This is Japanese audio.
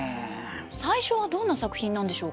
最初はどんな作品なんでしょうか。